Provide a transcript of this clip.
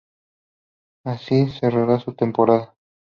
Así cerraría su temporada.